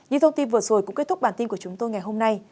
những thông tin vừa rồi cũng kết thúc bản tin của chúng tôi ngày hôm nay